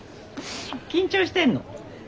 緊張してんの？